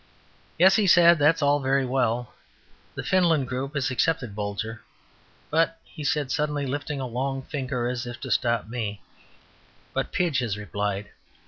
"Yes," he said, "that's all very well. The Finland Group has accepted Bolger. But," he said, suddenly lifting a long finger as if to stop me, "but Pidge has replied.